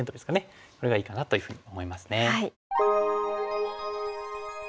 これがいいかなというふうに思いますね。